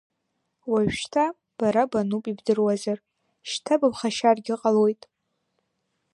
Уажәшьҭа бара бануп ибдыруазар, шьҭа быԥхашьаргьы ҟалоит!